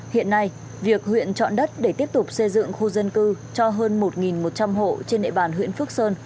hiện nay việc huyện chọn đất để tiếp tục xây dựng khu dân cư cho hơn một một trăm linh hộ trên địa bàn huyện phước sơn